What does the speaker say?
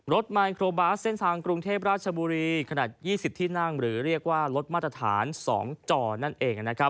ไมโครบาสเส้นทางกรุงเทพราชบุรีขนาด๒๐ที่นั่งหรือเรียกว่ารถมาตรฐาน๒จอนั่นเอง